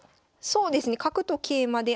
そうですね角と桂馬で。